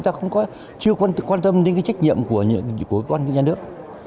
chúng ta chưa quan tâm đến trách nhiệm của những nhà nước